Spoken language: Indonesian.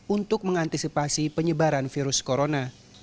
untuk mengantisipasi penyebaran virus corona